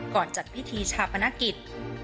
ก่อนจัดพิธีชาปนกิจ